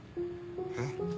えっ？